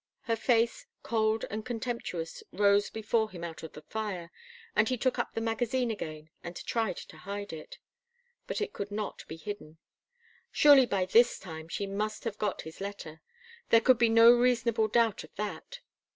Her face, cold and contemptuous, rose before him out of the fire, and he took up the magazine again, and tried to hide it. But it could not be hidden. Surely by this time she must have got his letter. There could be no reasonable doubt of that.